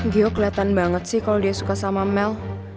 gio keliatan banget sih kalo dia suka sama mel